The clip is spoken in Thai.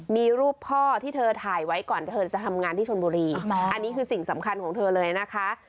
มีรูปพ่อที่เธอถ่ายไว้ก่อนเธอจะทำงานที่ชนบุรีอันนี้คือสิ่งสำคัญของเธอเลยนะคะ